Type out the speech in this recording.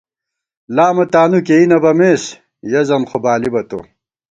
لامہ تانُو کېئ نہ بَمېس ، یَہ زن خو بالِبہ تو